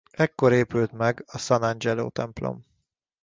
Ekkor épült meg a San’Angelo-templom.